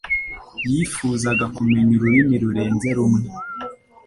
yifuzaga kumenya ururimi rurenze rumwe